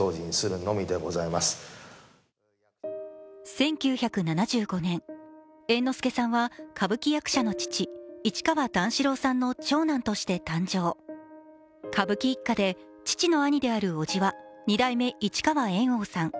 １９７５年、猿之助さんは歌舞伎役者の父市川段四郎さんの長男として誕生歌舞伎一家で、父の兄であるおじは二代目市川猿翁さん。